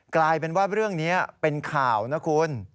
กลายเป็นว่าเรื่องนี้เป็นข่าวนะคุณ